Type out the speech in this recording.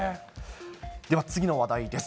では次の話題です。